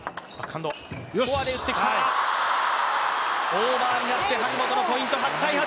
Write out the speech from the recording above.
オーバーになって張本のポイント。